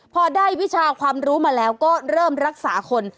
พอได้วิชาความรู้มาแล้วก็เริ่มรักษาคน